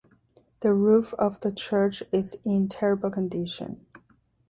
The roof of the church is in terrible condition.